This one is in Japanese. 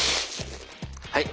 はい。